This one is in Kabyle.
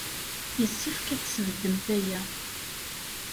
Yessefk ad tesbeddemt aya.